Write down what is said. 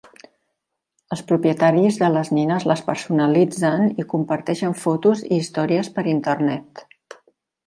Els propietaris de les nines les personalitzen i comparteixen fotos i històries per Internet.